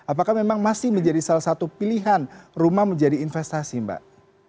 apakah memang masih menjadi salah satu pilihan rumah menjadi investasi mbak